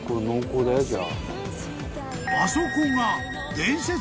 ［あそこが］